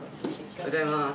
おはようございます。